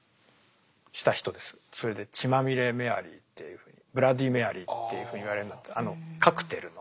それで「血まみれメアリー」っていうふうに「ブラッディーメアリー」っていうふうに言われるようになったあのカクテルの。